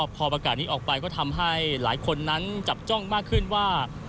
พอประกาศนี้ออกไปก็ทำให้หลายคนนั้นจับจ้องมากขึ้นว่า